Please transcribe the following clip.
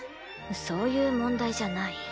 そういう問題じゃない。